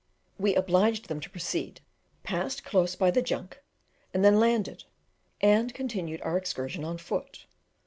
We obliged them to proceed, passed close by the junk, and then landed, and continued our excursion on foot.